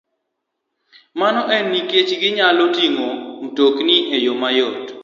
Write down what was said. Mano en nikech ginyalo ting'o mtokni e yo mayot,